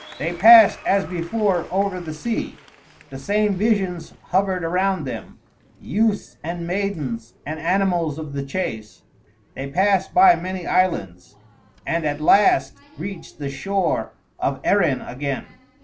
They passed, as before, over the sea; the same visions hovered around them, youths and maidens and animals of the chase; they passed by many islands, and at last reached the shore of Erin again.